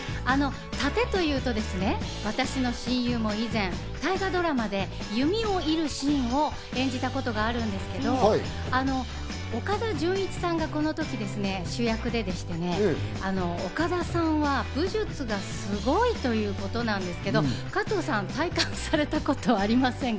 殺陣というとですね、私の親友も以前、大河ドラマで弓を射るシーンを演じたことがあるんですけど、岡田准一さんがこの時ですね、主役でして、岡田さんは武術がすごいということなんですけど、加藤さん、体感されたことはありませんか？